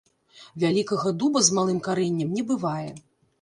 Вялікага дуба з малым карэннем не бывае